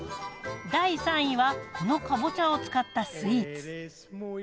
第３位はこのかぼちゃを使ったスイーツ。